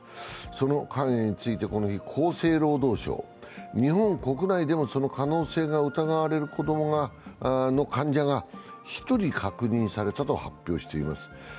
その肝炎について、この日、厚生労働省は日本国内でも、その可能性が疑われる子供の患者が１人確認されたと発表しています。